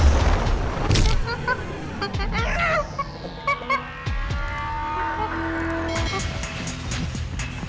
tidak di feedback